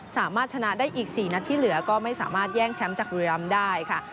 สามารถชนะได้อีก๔นัดที่เหลือก็ไม่สามารถแย่งแชมป์จากบุรีรำได้ค่ะ